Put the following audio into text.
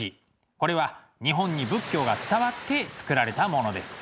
これは日本に仏教が伝わって作られたものです。